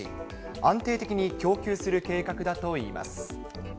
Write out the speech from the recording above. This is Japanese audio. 安定的に供給する計画だといいます。